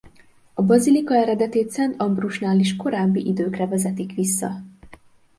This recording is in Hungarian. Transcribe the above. A bazilika eredetét Szent Ambrusnál is korábbi időkre vezetik vissza.